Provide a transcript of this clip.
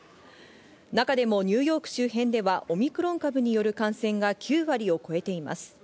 中でもニューヨーク周辺ではオミクロン株による感染が９割を超えています。